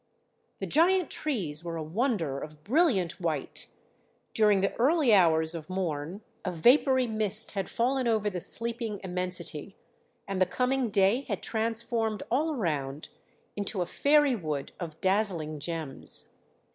The giant trees were a wonder of brilliant white; during the early hours of morn a vapoury mist had fallen over the sleeping immensity, and the coming day had transformed all around into a fairy wood of dazzling gems.